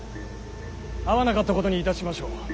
会わなかったことにいたしましょう。